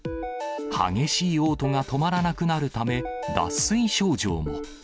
激しいおう吐が止まらなくなるため、脱水症状も。